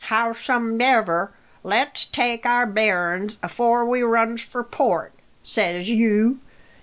Howsomedever, let's take our bearin's afore we runs for port, says you.